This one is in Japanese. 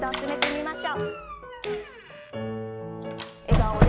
笑顔で。